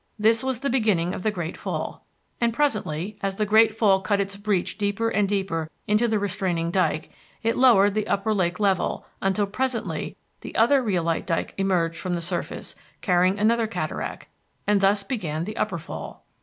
This was the beginning of the Great Fall. And presently, as the Great Fall cut its breach deeper and deeper into the restraining dike, it lowered the upper lake level until presently the other rhyolite dike emerged from the surface carrying another cataract. And thus began the Upper Fall.